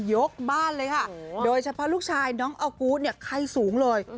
ยกบ้านเลยค่ะโดยเฉพาะลูกชายน้องออกูธเนี่ยไข้สูงเลย